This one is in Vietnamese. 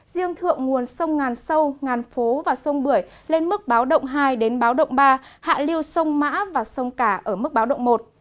riêng thượng nguồn sông ngàn sâu ngàn phố và sông bưởi lên mức báo động hai đến báo động ba hạ lưu sông mã và sông cả ở mức báo động một